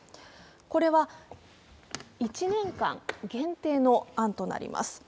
これは１年間限定の案となります。